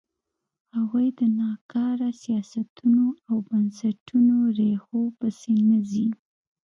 هغوی د ناکاره سیاستونو او بنسټونو ریښو پسې نه ځي.